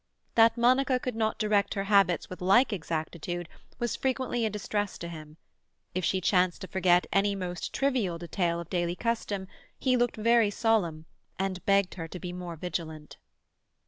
That Monica could not direct her habits with like exactitude was frequently a distress to him; if she chanced to forget any most trivial detail of daily custom he looked very solemn, and begged her to be more vigilant.